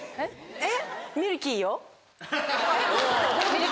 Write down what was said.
えっ！